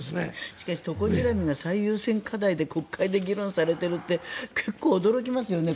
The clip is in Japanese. しかしトコジラミが最優先課題で国会で議論されているって結構驚きますよね。